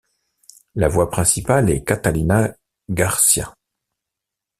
La voix principale est Catalina García.